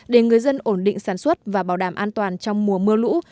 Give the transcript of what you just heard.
để người dân ổn định sản xuất và bảo đảm an toàn trong mùa mưa lũ